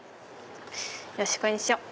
よしこれにしよう！